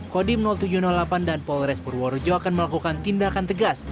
kodim tujuh ratus delapan dan polres purworejo akan melakukan tindakan tegas